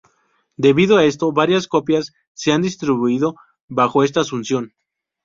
Debido a esto, varias copias se han distribuido bajo esta asunción.